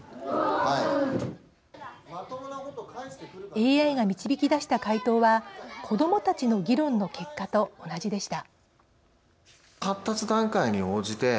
ＡＩが導き出した回答は子どもたちの議論の結果と同じでした。